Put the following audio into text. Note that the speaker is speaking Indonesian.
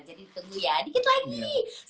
jadi tunggu ya dikit lagi